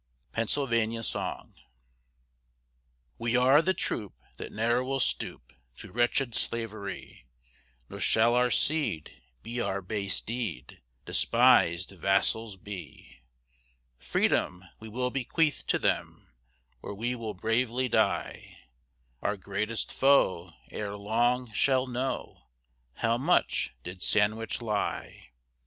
PENNSYLVANIA SONG We are the troop that ne'er will stoop To wretched slavery, Nor shall our seed, by our base deed, Despisèd vassals be; Freedom we will bequeath to them, Or we will bravely die; Our greatest foe, ere long shall know, How much did Sandwich lie.